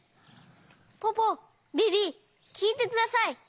ポポビビきいてください！